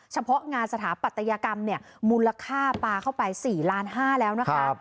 เฉพาะงานสถาปัตยกรรมเนี่ยมูลค่าปลาเข้าไป๔๕๐๐แล้วนะคะ